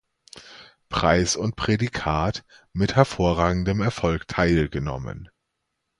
Preis und das Prädikat "mit hervorragendem Erfolg teilgenommen"